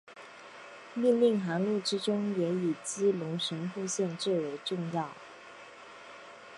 命令航路之中也以基隆神户线最为重要。